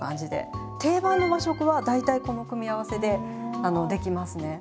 定番の和食は大体この組み合わせで出来ますね。